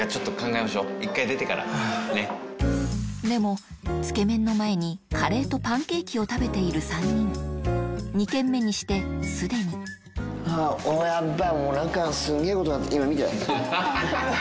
でもつけ麺の前にカレーとパンケーキを食べている３人２軒目にして既に見て。